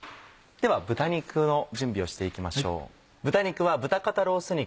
では豚肉の準備をしていきましょう。